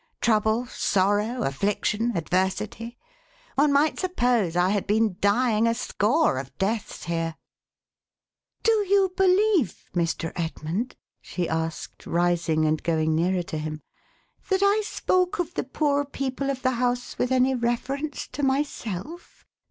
Trouble, sorrow, affliction, adversity ! One might suppose I had been dying a score of deaths here !" "Do you believe, Mr. Edmund," she asked, rising and going nearer to him, "that I spoke of the poor people of the house, with any reference to myself?